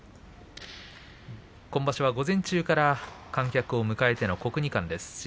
今場所は午前中から観客を迎えての国技館です。